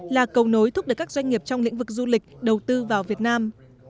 là cầu nối thúc đẩy các doanh nghiệp trong lĩnh vực du lịch đầu tư vào việt nam